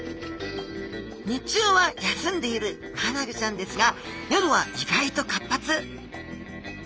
日中は休んでいるマアナゴちゃんですが夜は意外と活発。